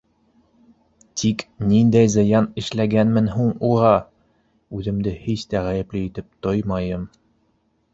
Тик ниндәй зыян эшләгәнмен һуң уға? Үҙемде һис тә ғәйепле итеп тоймайым.